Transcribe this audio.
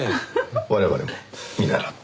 我々も見習って。